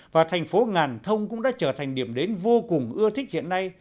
và thành phố ngàn thông cũng đã trở thành điểm đến vô cùng ưa thích hiện nay